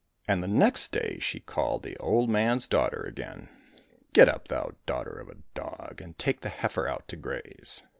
And the next day she called the old man's daughter again, " Get up, thou daughter of a dog, and take the heifer out to graze.